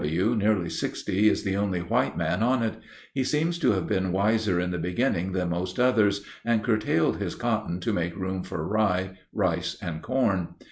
W., nearly sixty, is the only white man on it. He seems to have been wiser in the beginning than most others, and curtailed his cotton to make room for rye, rice, and corn.